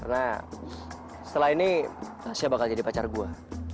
karena setelah ini tasya bakal jadi pacar gue